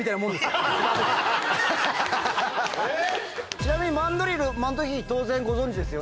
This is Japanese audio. ちなみにマンドリルマントヒヒ当然ご存じですよね？